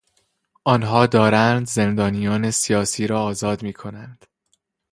آنها دارند زندانیان سیاسی را آزاد میکنند.